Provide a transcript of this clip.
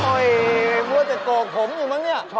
เฮ้ยว่าจะโกขมอยู่มั้งเนี่ย